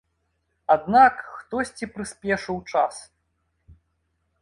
Аднак хтосьці прыспешыў час.